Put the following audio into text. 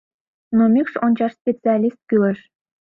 Но мӱкш ончаш специалист кӱлеш.